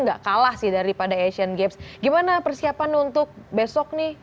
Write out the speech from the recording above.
nggak kalah sih daripada asian games gimana persiapan untuk besok nih